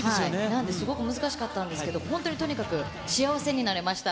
なんで、すごく難しかったんですけど、本当にとにかく幸せになれました。